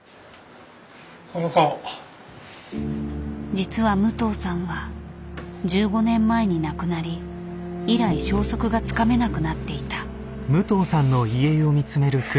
実は武藤さんは１５年前に亡くなり以来消息がつかめなくなっていた。